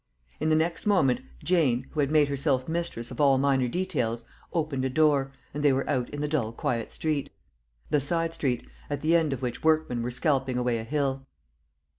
In the next moment Jane who had made herself mistress of all minor details opened a door, and they were out in the dull quiet street the side street, at the end of which workmen were scalping away a hill.